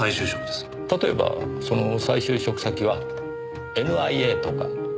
例えばその再就職先はＮＩＡとか。